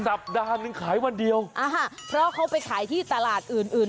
สัปดาห์หนึ่งขายวันเดียวอ่าฮะเพราะเขาไปขายที่ตลาดอื่นอื่น